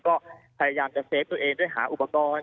ก็พยายามจะเซ็กตัวเองห้าอุปกรณ์